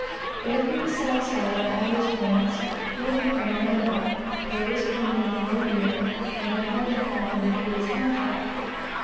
If he be satisfied on all these points, he will become a member, pay his premium for a year, and then hold the company to its contract.